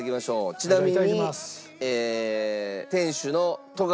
ちなみに。